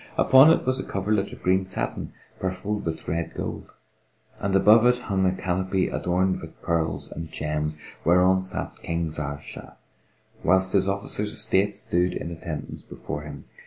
Upon it was a coverlet of green satin purfled with red gold, and above it hung a canopy adorned with pearls and gems, whereon sat King Zahr Shah, whilst his officers of state stood in attendance before him.